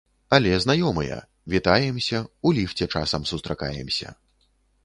Але знаёмыя, вітаемся, у ліфце часам сустракаемся.